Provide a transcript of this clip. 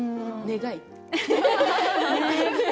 願い。